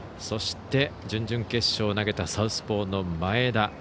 そして、準々決勝投げたサウスポーの前田。